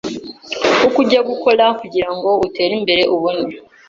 uko ujya gukora kugirango utere imbere ubone